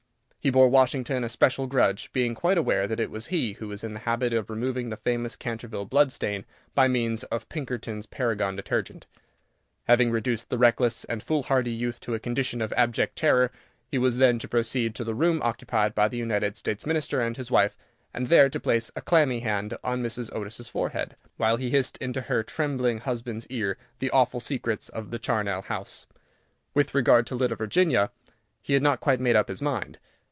He bore Washington a special grudge, being quite aware that it was he who was in the habit of removing the famous Canterville blood stain by means of Pinkerton's Paragon Detergent. Having reduced the reckless and foolhardy youth to a condition of abject terror, he was then to proceed to the room occupied by the United States Minister and his wife, and there to place a clammy hand on Mrs. Otis's forehead, while he hissed into her trembling husband's ear the awful secrets of the charnel house. With regard to little Virginia, he had not quite made up his mind.